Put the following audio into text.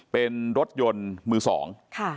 เป็นรถยนต์มือสองค่ะ